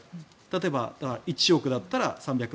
例えば、１億だったら３００万。